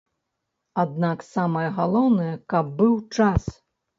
Аднак самае галоўнае, каб быў час.